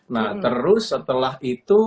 nah terus setelah itu